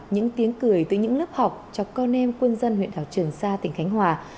những tiếng cười từ những lớp học cho con em quân dân huyện đảo trường sa tỉnh khánh hòa